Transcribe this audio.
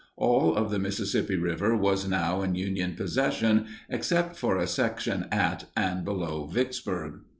All of the Mississippi River was now in Union possession, except for a section at and below Vicksburg.